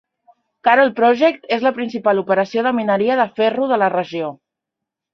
Carol Project és la principal operació de mineria de ferro de la regió.